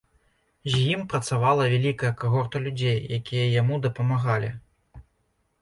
З ім працавала вялікая кагорта людзей, якія яму дапамагалі.